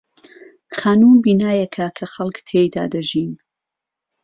خانوو بینایەکە کە خەڵک تێیدا دەژین.